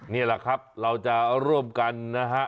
นี่แหละครับเราจะร่วมกันนะฮะ